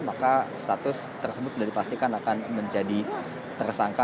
maka status tersebut sudah dipastikan akan menjadi tersangka